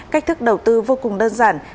cách thức đầu tư vô cùng đơn giản